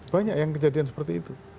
banyak yang kejadian seperti itu